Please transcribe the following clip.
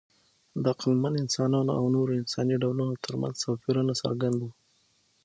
د عقلمن انسانانو او نورو انساني ډولونو ترمنځ توپیرونه څرګند وو.